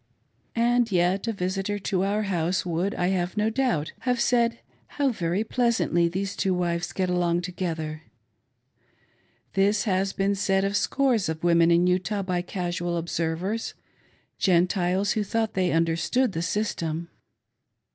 And yet a visitor to our house would, I have no doubt, have said, How very pleas antly those two wives get along together. This has been said of scores of women in Utah by casual observers— Gentiles who thought they " understood " the system.